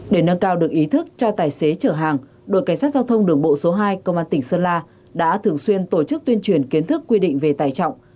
để nâng cao được ý thức cho tài xế chở hàng đội cảnh sát giao thông đường bộ số hai công an tỉnh sơn la đã thường xuyên tổ chức tuyên truyền kiến thức quy định về tài trọng